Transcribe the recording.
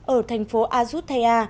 ở thành phố azutthaya